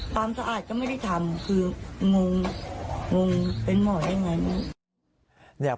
ความสะอาดก็ไม่ได้ทำคืองงเป็นหมอยังไง